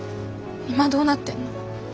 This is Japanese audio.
今どうなってんの？